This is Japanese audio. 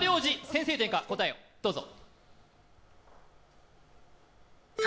先制点か、答えをどうぞ。